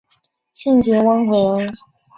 性情温和。